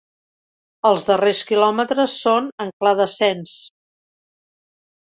Els darrers quilòmetres són en clar descens.